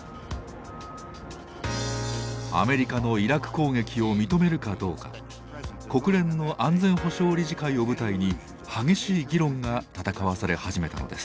アメリカのイラク攻撃を認めるかどうか国連の安全保障理事会を舞台に激しい議論が戦わされ始めたのです。